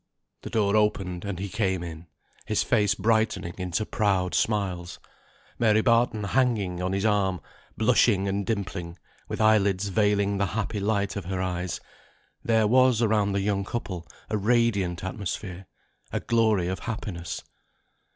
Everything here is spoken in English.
The door opened, and he came in; his face brightening into proud smiles, Mary Barton hanging on his arm, blushing and dimpling, with eye lids veiling the happy light of her eyes, there was around the young couple a radiant atmosphere a glory of happiness.